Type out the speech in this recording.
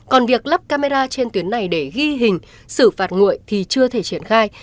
còn việc lắp camera trên tuyến này để ghi hình xử phạt nguội thì chưa thể triển khai